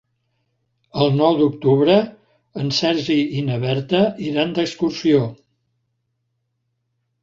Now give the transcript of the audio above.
El nou d'octubre en Sergi i na Berta iran d'excursió.